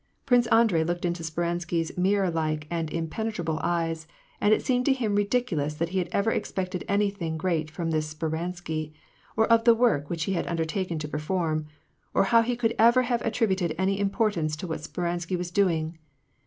Prince Andrei looked into Speransky's mirror like and impenetrable eyes, and it seemed to him ridic ulous that he had ever expected anything gi eat from this Sper ansky, or of the work which he had undertaken to perform, or how he could ever have attributed any importance to what Speransky was doing.